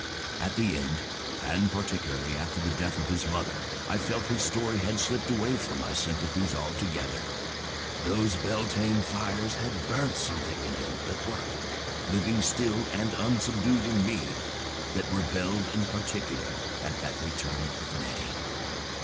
At the end, and particularly after the death of his mother, I felt his story had slipped away from my sympathies altogether. Those Beltane fires had burnt something in him that worked living still and unsubdued in me, that rebelled in particular at that return of Nettie.